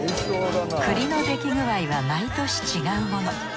栗の出来具合は毎年違うもの。